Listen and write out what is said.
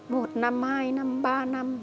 một năm hai năm ba năm